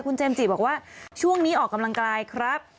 คุณเจมส์จิบอกว่าช่วงนี้ออกกำลังกายครับ